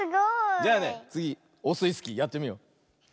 じゃあねつぎオスイスキーやってみよう。